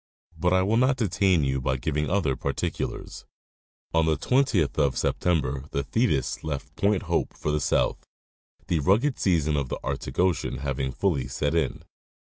But I will not detain you by giving other particulars. On the 20th of September the Thetis left Point Hope for the south, the rugged season of the Arctic ocean having fully set in.